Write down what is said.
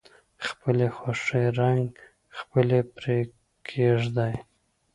خپلې خوښې رنګه خپې پرې کیږدئ.